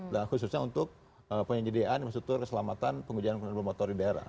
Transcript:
nah khususnya untuk penyediaan infrastruktur keselamatan pengujian transportasi di daerah